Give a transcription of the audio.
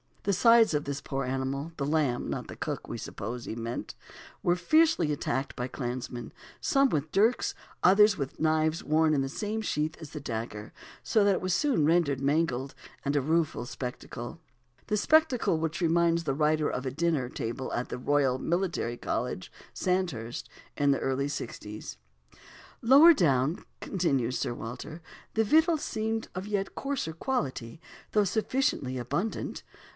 The sides of this poor animal" the lamb, not the cook, we suppose is meant "were fiercely attacked by the clansmen, some with dirks, others with the knives worn in the same sheath as the dagger, so that it was soon rendered a mangled and rueful spectacle." A spectacle which reminds the writer of a dinner table at the Royal Military College, Sandhurst, in the early sixties. "Lower down," continues Sir Walter, "the victuals seemed of yet coarser quality, though sufficiently abundant.